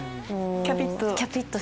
キャピっと。